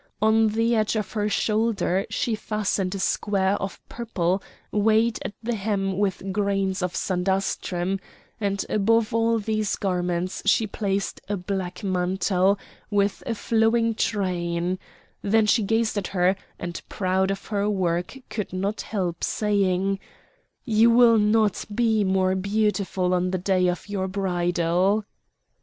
On the edge of her shoulder she fastened a square of purple weighted at the hem with grains of sandastrum; and above all these garments she placed a black mantle with a flowing train; then she gazed at her, and proud of her work could not help saying: "You will not be more beautiful on the day of your bridal!"